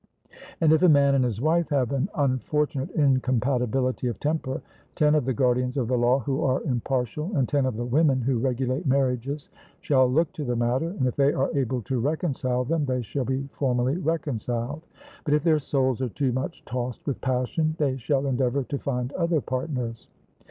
And if a man and his wife have an unfortunate incompatibility of temper, ten of the guardians of the law, who are impartial, and ten of the women who regulate marriages, shall look to the matter, and if they are able to reconcile them they shall be formally reconciled; but if their souls are too much tossed with passion, they shall endeavour to find other partners.